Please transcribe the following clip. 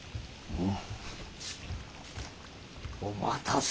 うん。